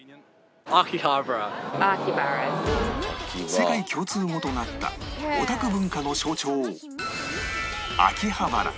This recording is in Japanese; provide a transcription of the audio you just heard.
世界共通語となったオタク文化の象徴